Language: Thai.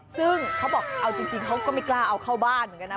ซึ่งเขาบอกเอาจริงเขาก็ไม่กล้าเอาเข้าบ้านเหมือนกันนะ